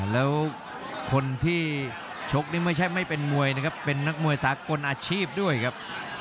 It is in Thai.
แล้วคนที่ชกนี่ไม่ใช่ไม่เป็นมวยนะครับเป็นนักมวยสากลอาชีพด้วยครับ